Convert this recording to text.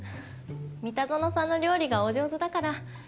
三田園さんの料理がお上手だから。